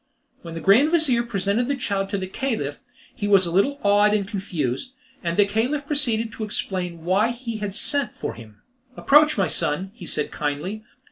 When the grand vizir presented the child to the Caliph, he was a little awed and confused, and the Caliph proceeded to explain why he had sent for him. "Approach, my son," he said kindly.